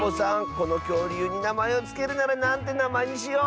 このきょうりゅうになまえをつけるならなんてなまえにしよう？